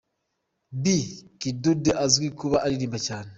Bi Kidude azwiho kuba aririmba cyane.